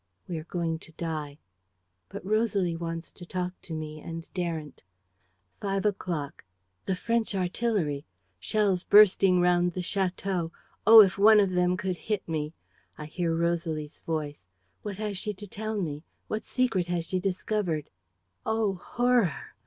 ... We are going to die. ... But Rosalie wants to talk to me and daren't. ... "Five o'clock. "The French artillery. ... Shells bursting round the château. ... Oh, if one of them could hit me! ... I hear Rosalie's voice. ... What has she to tell me? What secret has she discovered? "Oh, horror!